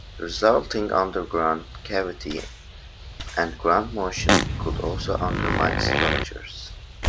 The resulting underground cavity and ground motion could also undermine structures.